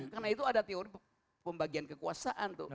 karena itu ada teori pembagian kekuasaan